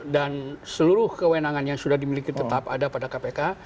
seluruh kewenangan yang sudah dimiliki tetap ada pada kpk